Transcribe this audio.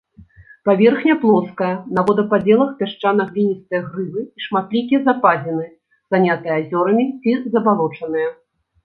Паверхня плоская, на водападзелах пясчана-гліністыя грывы і шматлікія западзіны, занятыя азёрамі ці забалочаныя.